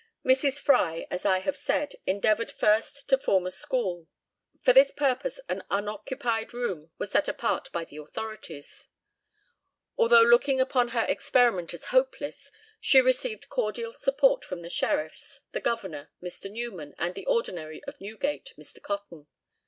Mrs. Fry, as I have said, endeavoured first to form a school. For this purpose an unoccupied room was set apart by the authorities. Although looking upon her experiment as hopeless, she received cordial support from the sheriffs, the governor, Mr. Newman, and the ordinary of Newgate, Mr. Cotton.